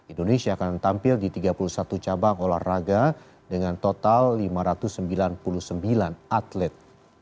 indonesia akan tampil di tiga puluh satu cabang olahraga dengan total lima ratus sembilan puluh sembilan atlet